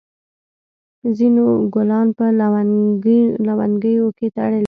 ځینو ګلان په لونګیو کې تړلي وي.